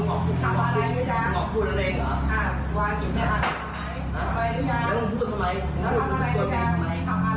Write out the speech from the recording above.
นะน่ะมึงพูดกันไง